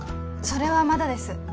それはまだです